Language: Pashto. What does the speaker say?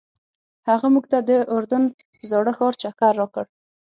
هغه موږ ته د اردن زاړه ښار چکر راکړ.